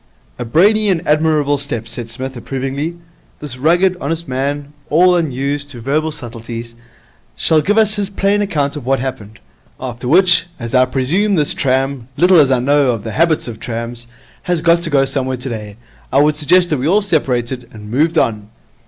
'A brainy and admirable step,' said Psmith, approvingly. 'This rugged, honest man, all unused to verbal subtleties, shall give us his plain account of what happened. After which, as I presume this tram little as I know of the habits of trams has got to go somewhere today, I would suggest that we all separated and moved on.'